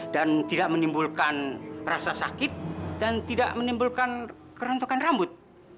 dan tidak menimbulkan rasa sakit dan tidak menimbulkan kerontokan rambut